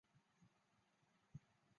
中华人民共和国全国运动会。